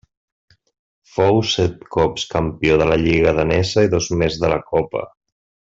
Fou set cops campió de la lliga danesa i dos més de la copa.